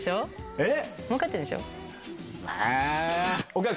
えっ？